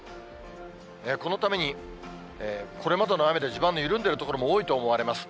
このために、これまでの雨で地盤の緩んでいる所も多いと思われます。